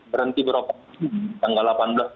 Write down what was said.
berhenti beroperasi tanggal delapan belas